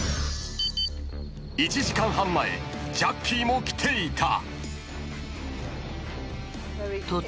［１時間半前ジャッキーも来ていた］